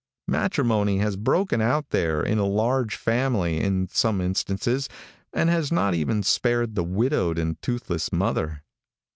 Matrimony has broken out there in a large family in some instances, and has not even spared the widowed and toothless mother.